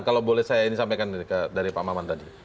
kalau boleh saya ini sampaikan dari pak maman tadi